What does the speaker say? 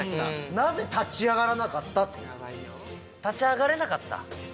なぜ立ち上がらな立ち上がれなかった。